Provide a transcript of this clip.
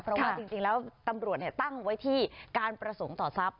เพราะว่าจริงแล้วตำรวจตั้งไว้ที่การประสงค์ต่อทรัพย